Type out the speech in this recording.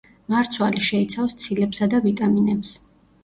მარცვალი შეიცავს ცილებსა და ვიტამინებს.